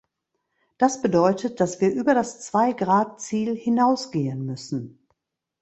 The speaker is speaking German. Das bedeutet, dass wir über das Zwei-Grad-Ziel hinausgehen müssen.